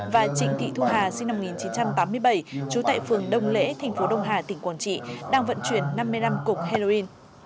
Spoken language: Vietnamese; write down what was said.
và trịnh thị thu hà sinh năm một nghìn chín trăm tám mươi bảy trú tại phường đông lễ thành phố đông hà tỉnh quảng trị đang vận chuyển năm mươi năm cục heroin